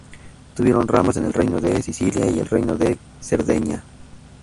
Tuvieron ramas en el Reino de Sicilia y el Reino de Cerdeña.